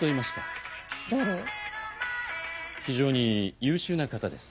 非常に優秀な方です。